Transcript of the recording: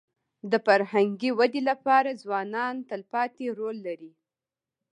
د فرهنګي ودي لپاره ځوانان تلپاتې رول لري.